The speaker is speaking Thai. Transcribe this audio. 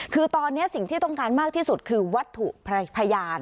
คือตอนนี้สิ่งที่ต้องการมากที่สุดคือวัตถุพยาน